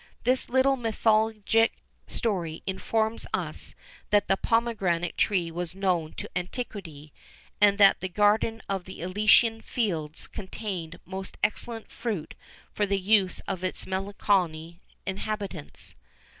[XIV 42] This little mythologic story informs us that the pomegranate tree was known to antiquity, and that the garden of the Elysian fields contained most excellent fruit for the use of its melancholy inhabitants.